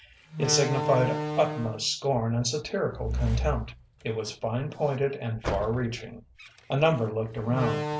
It signified utmost scorn and satirical contempt. It was fine pointed and far reaching. A number looked around.